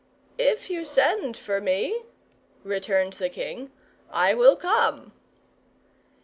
"If you send for me," returned the king, "I will come."